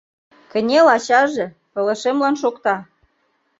— Кынел, ачаже! — пылышемлан шокта.